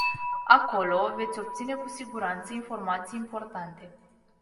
Acolo, veți obține cu siguranță informații importante.